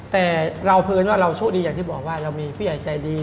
แต่เราเวินว่าเราโชคดีอย่างที่บอกว่ามีภายใจดี